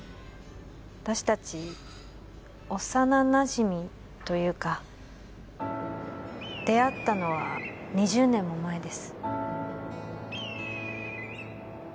私達幼なじみというか出会ったのは２０年も前です